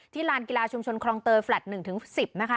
ลานกีฬาชุมชนคลองเตยแลต๑๑๐นะคะ